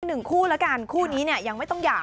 หนึ่งคู่แล้วกันคู่นี้เนี่ยยังไม่ต้องหย่า